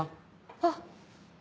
あっ。